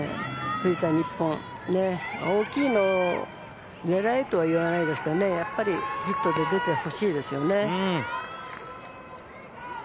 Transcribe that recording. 藤田、１本大きいのを狙えとは言わないですけどやっぱりヒットで出てほしいですね。